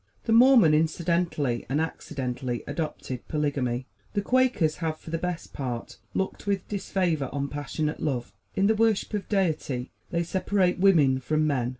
The Mormon incidentally and accidentally adopted polygamy. The Quakers have for the best part looked with disfavor on passionate love. In the worship of Deity they separate women from men.